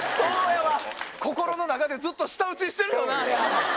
心の中でずっと舌打ちしてる。